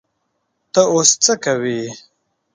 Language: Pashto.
ته اوس څه کوې؟